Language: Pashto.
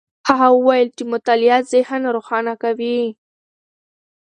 هغه وویل چې مطالعه ذهن روښانه کوي.